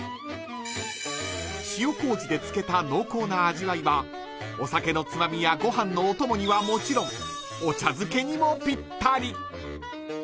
［塩こうじで漬けた濃厚な味わいはお酒のつまみやご飯のお供にはもちろんお茶漬けにもぴったり］